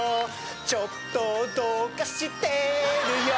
ちょっとどうかしてるよ